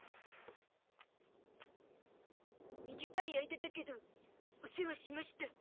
短い間だけどお世話しました。